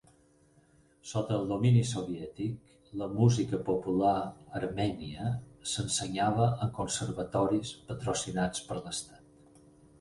Sota el domini soviètic, la música popular armènia s'ensenyava en conservatoris patrocinats per l'estat.